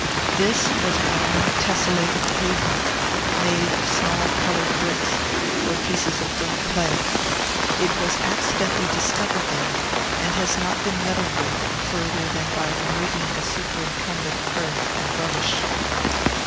This was a Roman tessellated pavement, made of small colored bricks, or pieces of burnt clay. It was accidentally discovered here, and has not been meddled with, further than by removing the superincumbent earth and rubbish.